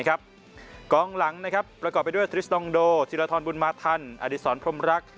กองหลังประกอบไปด้วยทริสตองโดธิรทรบุญมาทันอดีศรพรมรัก